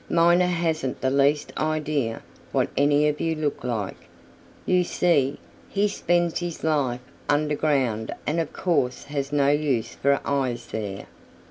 Miner hasn't the least idea what any of you look like. You see, he spends his life under ground and of course has no use for eyes there.